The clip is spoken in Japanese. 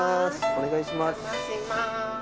お願いします。